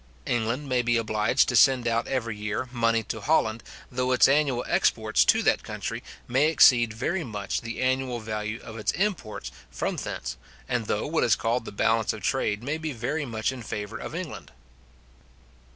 England may be obliged to send out every year money to Holland, though its annual exports to that country may exceed very much the annual value of its imports from thence, and though what is called the balance of trade may be very much in favour of England.